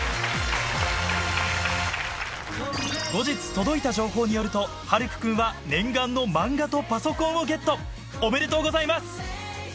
後日届いた情報によると晴空君は念願の漫画とパソコンをゲットおめでとうございます！